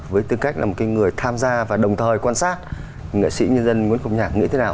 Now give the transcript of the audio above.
với tư cách là một người tham gia và đồng thời quan sát nghệ sĩ nhân dân nguyên khúc nhạc nghĩa thế nào